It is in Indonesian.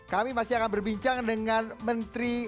kami masih akan berbincang dengan menteri